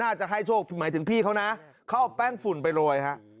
จะให้โชคหมายถึงพี่เขานะเขาเอาแป้งฝุ่นไปโรยฮะ